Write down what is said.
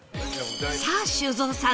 さあ修造さん